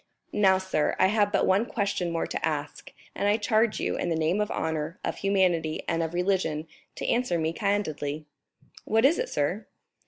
"Now, sir, I have but one question more to ask, and I charge you, in the name of honor, of humanity, and of religion, to answer me candidly." "What is it, sir?"